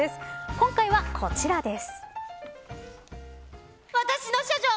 今回はこちらです。